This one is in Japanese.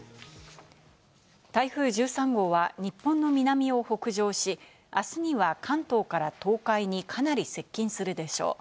台風１３号は日本の南を北上し、あすには関東から東海にかなり接近するでしょう。